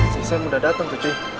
selesai mudah datang tujuh